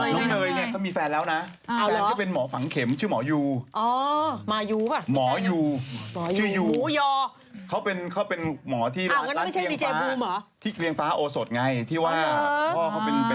รถเมย์ก็ไปแต่ไม่เจอกันไม่ใช่กับแม่